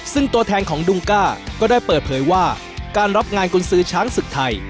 ซึ่งตัวแทนของดุงก้าก็ได้เปิดเผยว่าการรับงานกุญสือช้างศึกไทย